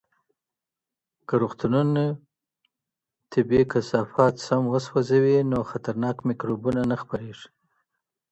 که روغتونونه طبي کثافات سم وسوځوي، نو خطرناک میکروبونه نه خپریږي.